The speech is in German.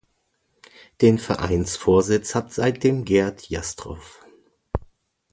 Den Vereinsvorsitz hat seitdem Gerd Jastrow.